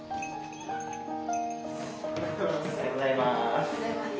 おはようございます。